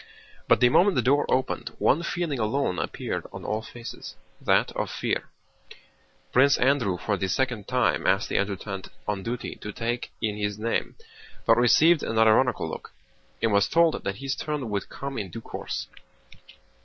But the moment the door opened one feeling alone appeared on all faces—that of fear. Prince Andrew for the second time asked the adjutant on duty to take in his name, but received an ironical look and was told that his turn would come in due course.